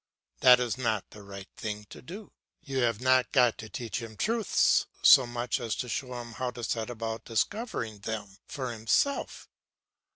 That is not the right thing to do. You have not got to teach him truths so much as to show him how to set about discovering them for himself.